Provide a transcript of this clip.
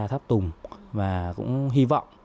tháp tùng và cũng hy vọng